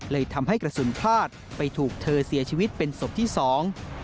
ทำให้กระสุนพลาดไปถูกเธอเสียชีวิตเป็นศพที่สอง